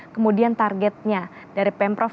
kemudian targetnya dari pemprov